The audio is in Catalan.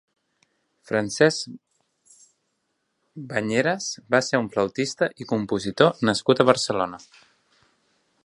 Francesc Bañeras va ser un flautista i compositor nascut a Barcelona.